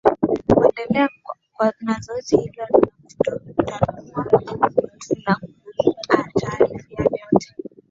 kwendelea na zoezi hilo na tutakuwa tunakutaarifu yale yote